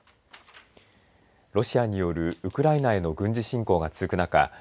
ロシアによるウクライナへの軍事侵攻が続く中